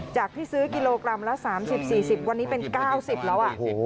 ที่ซื้อกิโลกรัมละ๓๐๔๐วันนี้เป็น๙๐แล้ว